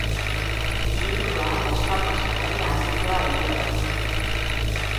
Hiriburua Las Palmas Kanaria Handikoa hiria da.